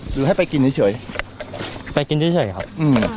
หรือให้ไปกินเฉยไปกินเฉยครับอืม